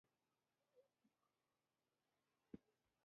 یوه تومانچه را نیسم، څه ډول تومانچه؟ پېسټول.